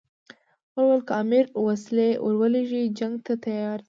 خلکو ویل که امیر وسلې ورولېږي جنګ ته تیار دي.